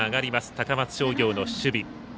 高松商業の守備。